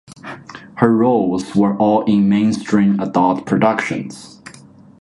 Her roles were all in mainstream adult productions.